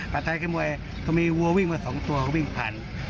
ไทยคือมวยเขามีวัววิ่งมา๒ตัวเขาวิ่งผ่าน